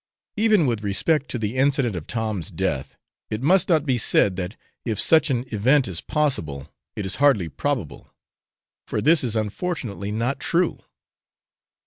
Even with respect to the incident of Tom's death, it must not be said that if such an event is possible, it is hardly probable; for this is unfortunately not true.